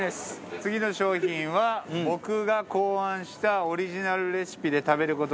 次の商品は僕が考案したオリジナルレシピで食べる事ができます。